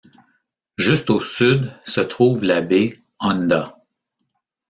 Juste au sud se trouve la baie Honda.